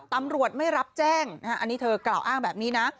ตำรวจไม่รับแจ้งอันนี้เธอกล่าวอ้างแบบนี้นะ